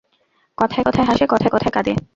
কথায়-কথায় হাসে, কথায়-কথায় কাঁদে।